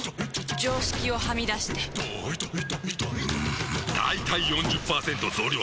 常識をはみ出してんだいたい ４０％ 増量作戦！